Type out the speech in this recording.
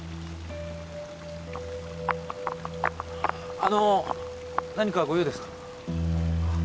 あの何かご用ですか？